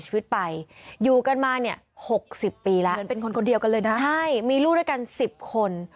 ใช่มีลูกด้วยกัน๑๐คน